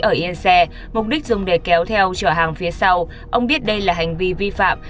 ở yên xe mục đích dùng để kéo theo trở hàng phía sau ông biết đây là hành vi vi phạm